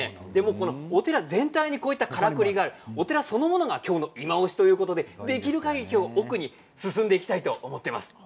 このお寺全体にこういったからくりがあるお寺そのものが今日のいまオシということでできるかぎり奥に進んでいきたいと思います。